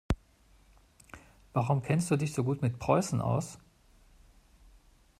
Warum kennst du dich so gut mit Preußen aus?